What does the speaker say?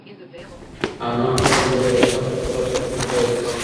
انا خپل لومړی رکعت په پوره سکون پیل کړ.